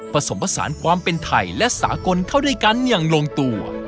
ผสมผสานความเป็นไทยและสากลเข้าด้วยกันอย่างลงตัว